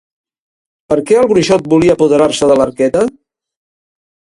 Per què el bruixot volia apoderar-se de l'arqueta?